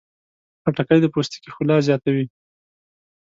خټکی د پوستکي ښکلا زیاتوي.